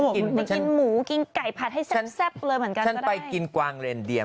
ควิดที่หมู่กินไข่ผัดให้เศ็บเลยเหมือนกันไปที่ไหนกว่าเรนเจออุ้ย